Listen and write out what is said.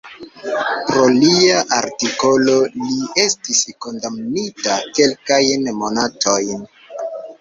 Pro lia artikolo li estis kondamnita kelkajn monatojn.